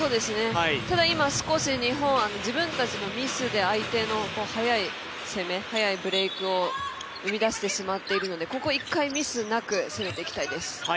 ただ今、少し日本自分たちのミスで相手の速い攻め、速いブレークを生み出してしまっているのでここ、一回、ミスなく攻めていきたいです。